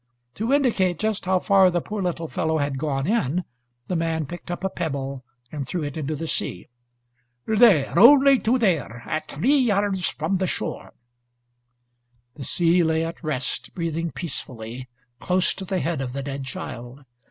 To indicate just how far the poor little fellow had gone in, the man picked up a pebble and threw it into the sea. "There, only to there; at three yards from the shore!" The sea lay at rest, breathing peacefully, close to the head of the dead child.